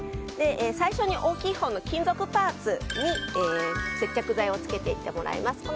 最初に大きいほうの金属パーツに接着剤をつけていってもらいます。